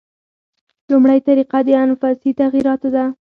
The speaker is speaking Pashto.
لومړۍ طریقه د انفسي تغییراتو ده.